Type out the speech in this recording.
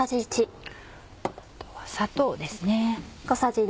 あとは砂糖ですね。